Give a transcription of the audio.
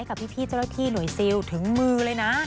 กับพี่เจ้าหน้าที่หน่วยซิลถึงมือเลยนะ